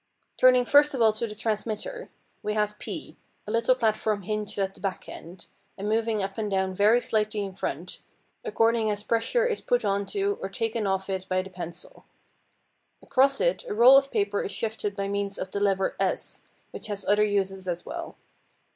Turning first of all to the transmitter, we have P, a little platform hinged at the back end, and moving up and down very slightly in front, according as pressure is put on to or taken off it by the pencil. Across it a roll of paper is shifted by means of the lever S, which has other uses as well.